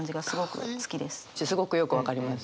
すごくよく分かります。